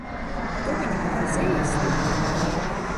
Tu viņu pazīsti?